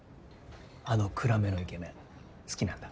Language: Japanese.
あの暗めのイケメン好きなんだ